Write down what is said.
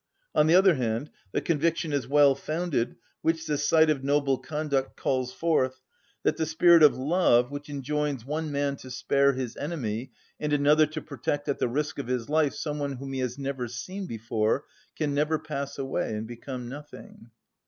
On the other hand, the conviction is well founded, which the sight of noble conduct calls forth, that the spirit of love, which enjoins one man to spare his enemy, and another to protect at the risk of his life some one whom he has never seen before, can never pass away and become nothing.